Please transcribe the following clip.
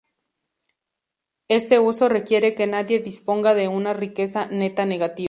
Este uso requiere que nadie disponga de una riqueza neta negativa.